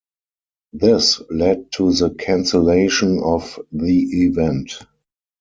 This led to the cancellation of the event.